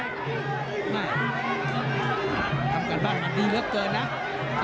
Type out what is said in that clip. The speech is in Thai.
ทำการบ้างมันดีเยอะเกินนะ